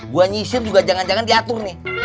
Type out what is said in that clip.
gue nyisir juga jangan jangan diatur nih